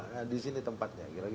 nah disini tempatnya kira kira begitu